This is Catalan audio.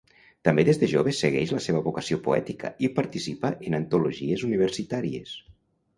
També des de jove segueix la seva vocació poètica i participa en antologies universitàries.